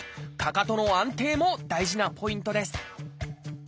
かかとの安定も大事なポイントです。